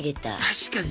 確かに。